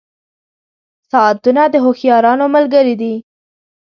• ساعتونه د هوښیارانو ملګري دي.